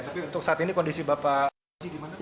tapi untuk saat ini kondisi bapak gimana pak